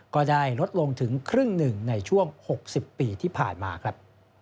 ก็ได้ลดลงถึงครึ่งหนึ่งในช่วง๖๐ปีที่ผ่านมาครับ